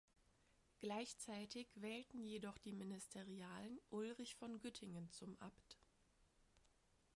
Gleichzeitig wählten jedoch die Ministerialen Ulrich von Güttingen zum Abt.